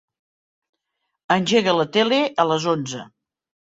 Engega la tele a les onze.